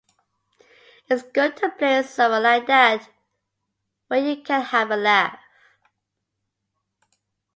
It's good to play someone like that, where you can have a laugh.